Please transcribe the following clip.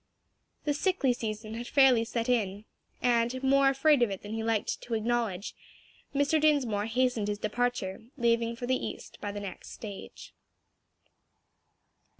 The sickly season had fairly set in, and more afraid of it than he liked to acknowledge, Mr. Dinsmore hastened his departure, leaving for the East by the next stage.